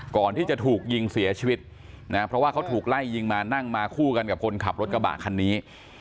ก่อนที่จะถูกยิงเสียชีวิตนะเพราะว่าเขาถูกไล่ยิงมานั่งมาคู่กันกับคนขับรถกระบะคันนี้